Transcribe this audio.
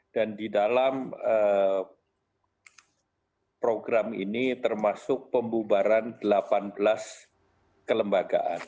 dan di dalam program ini termasuk pembubaran delapan belas kelembagaan